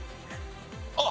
あっ！